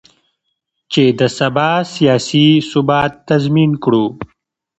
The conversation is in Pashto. چې د سبا سیاسي ثبات تضمین کړو.